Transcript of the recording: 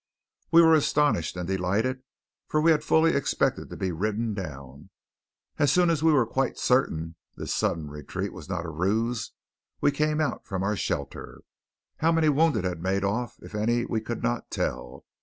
We were astonished and delighted, for we had fully expected to be ridden down. As soon as we were quite certain this sudden retreat was not a ruse, we came out from our shelter. How many wounded had made off if any we could not tell.